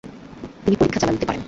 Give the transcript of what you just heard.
তিনি পরীক্ষা চালাতে পারেন।